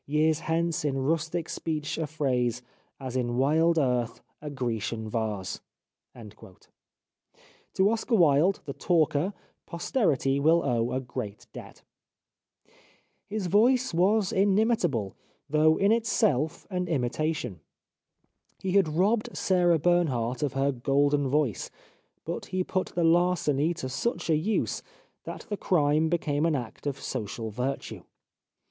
Years hence in rustic speech, a phrase ' As in wild earth a Grecian vase." To Oscar Wilde, the talker, posterity will owe a great debt. His voice was inimitable, though in itself an imitation. He had robbed Sarah Bernhardt of her golden voice, but he put the larceny to such a usethat the crime became an act of social virtue.